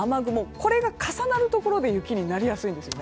これが重なるところで雪になりやすいんです。